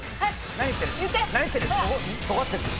何ってる？